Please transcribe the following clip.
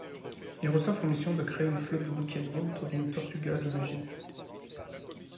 Ils reçoivent pour mission de créer une flotte de boucaniers autour d'une Tortuga imaginaire.